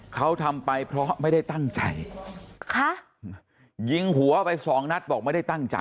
เขาทำไปเพราะไม่ได้ตั้งใจค่ะยิงหัวไปสองนัดบอกไม่ได้ตั้งใจ